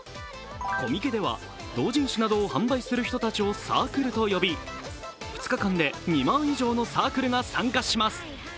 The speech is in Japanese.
コミケでは同人誌などを販売する人たちをサークルと呼び２日間で２万以上のサークルが参加します。